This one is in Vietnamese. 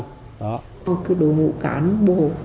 họ cứ đối mục cán bộ